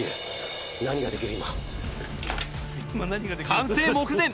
完成目前！